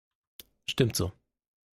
Stimmt so.